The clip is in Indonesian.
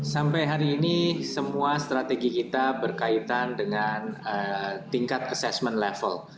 sampai hari ini semua strategi kita berkaitan dengan tingkat assessment level